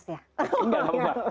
oh ini kayak ngetesin aja ya